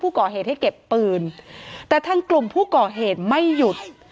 ก่อเหตุให้เก็บปืนแต่ทางกลุ่มผู้ก่อเหตุไม่หยุด